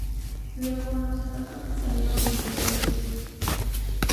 Luego, los atacantes salieron en dos vehículos.